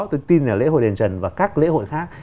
tôi tin là lễ hội đền trần và các lễ hội khác